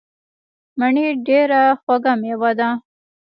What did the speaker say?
مڼې ډیره خوږه میوه ده.